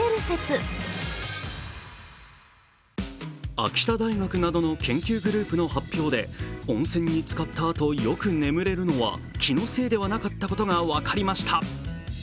秋田大学などの研究グループの発表で、温泉につかった後、よく眠れるのは気のせいではなかったことが分かりました。